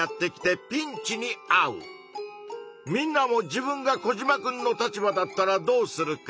みんなも自分がコジマくんの立場だったらどうするか？